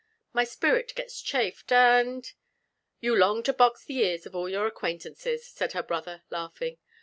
My spirit gets chafed, and " "You long to box the ears of all your acquaintances," said her brother, laughing.